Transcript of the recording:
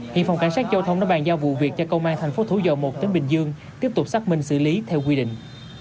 hiện phòng cảnh sát giao thông đã bàn giao vụ việc cho công an thành phố thủ dầu một tỉnh bình dương tiếp tục xác minh xử lý theo quy định